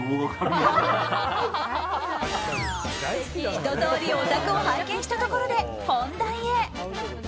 ひととおりお宅を拝見したところで本題へ！